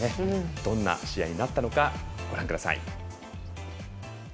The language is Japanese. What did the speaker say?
どんな試合になったのかご覧ください。